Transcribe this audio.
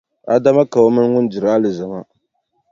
Adama ka o mini ŋun diri alizama.